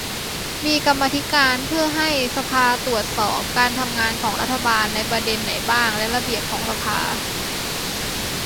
มีกรรมธิการ เพื่อให้สภาตรวจสอบการทำงานของรัฐบาลในประเด็นไหนบ้าง และ ระเบียบของสภา